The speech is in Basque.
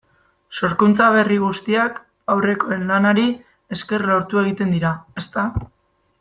Sorkuntza berri guztiak aurrekoen lanari esker lortu egiten dira, ezta?